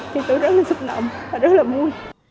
thì tôi rất là xúc động và rất là vui